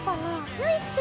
よいしょ。